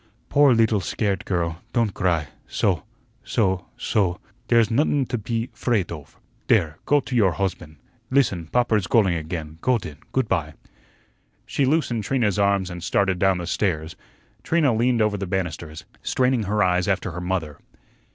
"Poor leetle scairt girl, don' gry soh soh soh, dere's nuttun to pe 'fraid oaf. Dere, go to your hoasban'. Listen, popper's galling again; go den; goot by." She loosened Trina's arms and started down the stairs. Trina leaned over the banisters, straining her eyes after her mother.